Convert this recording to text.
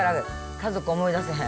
家族思い出せへん？